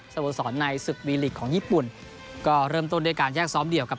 โมสรในศึกวีลีกของญี่ปุ่นก็เริ่มต้นด้วยการแยกซ้อมเดียวกับ